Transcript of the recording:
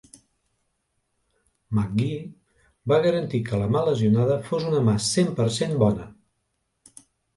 McGee va garantir que la mà lesionada fos una "mà cent per cent bona".